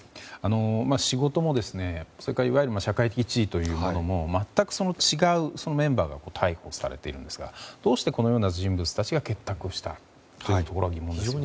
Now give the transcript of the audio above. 仕事もそれからいわゆる社会的地位というものも全く違うメンバーが逮捕されているんですがどうしてこのような人物たちが結託をしたんでしょうか？